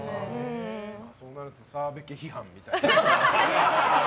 そうなると澤部家批判みたいな。